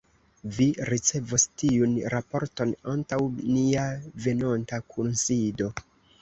Vi ricevos tiun raporton antaŭ nia venonta kunsido.